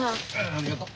ありがとう。